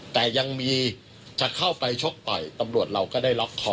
แต่ยังมีจะเข้าไปชกต่อยตำรวจเราก็ได้ล็อกคอ